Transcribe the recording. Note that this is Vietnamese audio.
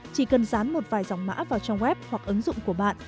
chỉ cần dán một vài dòng mã vào trong web hoặc ứng dụng của bạn